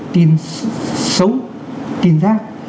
tin sống tin giác